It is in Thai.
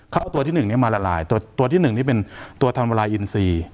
เขาเอาตัวที่๑นี้มาละลายตัวที่๑นี่เป็นตัวทำเวลาอินทรีย์